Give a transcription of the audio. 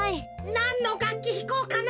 なんのがっきひこうかな。